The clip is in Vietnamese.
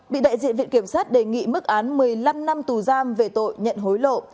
bị đại diện viện kiểm sát đề nghị mức án một mươi năm năm tù giam về tội nhận hối lộ